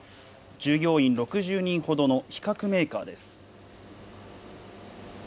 従業員６０人ほどの皮革メーカーです。